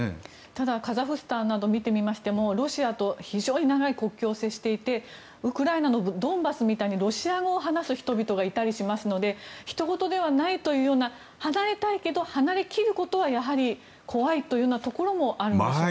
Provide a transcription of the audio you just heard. ただ、カザフスタンなどを見てみましてもロシアと非常に長い国境を接していてウクライナのドンバスみたいにロシア語を話す人々がいたりしますのでひと事ではないという離れたいけど離れ切ることはやはり怖いというようなところもあるんですか。